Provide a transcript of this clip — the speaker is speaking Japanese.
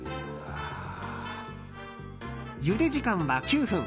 ゆで時間は９分。